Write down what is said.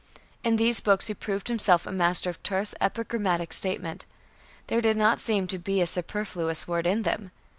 In these books he proved himself a master of terse, epigrammatic statement. There did not seem to be a superfluous word in them.